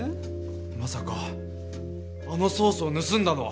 まさかあのソースを盗んだのは。